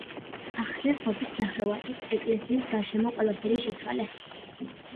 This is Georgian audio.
ახსნეს ღობის ნახევარი, ეკლესიის გარშემო ყველაფერი შეცვალეს.